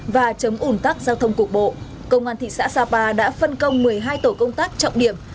và chống ủn tắc giao thông cục bộ công an thị xã sapa đã phân công một mươi hai tổ công tác trọng điểm